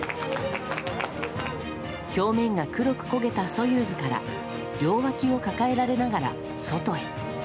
表面が黒く焦げた「ソユーズ」から両わきを抱えられながら外へ。